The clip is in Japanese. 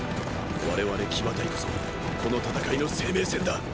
我々騎馬隊こそこの戦いの生命線だ！